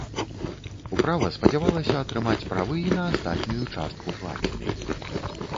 Управа спадзявалася атрымаць правы і на астатнюю частку плаціны.